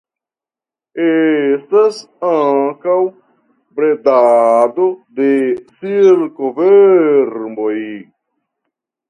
Estas ankaŭ bredado de silkovermoj.